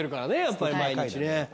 やっぱり毎日ね。